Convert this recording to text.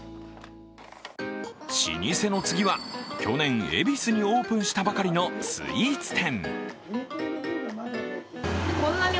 老舗の次は、去年、恵比寿にオープンしたばかりのスイーツ店。